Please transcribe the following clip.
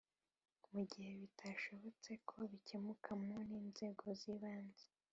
mu gihe bitashobotse ko bikemuka mu n’inzego z’ibanze